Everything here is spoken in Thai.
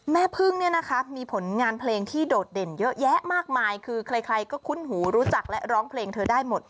แม่พึ่งเนี่ยนะคะมีผลงานเพลงที่โดดเด่นเยอะแยะมากมายคือใครก็คุ้นหูรู้จักและร้องเพลงเธอได้หมด